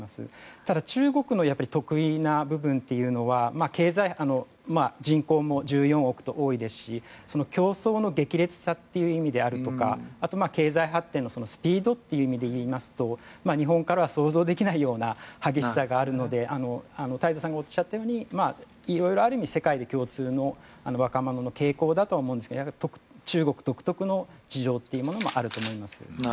ただ、中国の特異な部分というのは人口も１４億と多いですし競争の激烈さという意味であるとかあとは経済発展のスピードという意味で言いますと日本からは想像できないような激しさがあるので太蔵さんがおっしゃったようにある意味、世界で共通の若者の傾向だとは思うんですが中国独特の事情というものもあると思います。